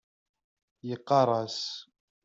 Yeqqar-as .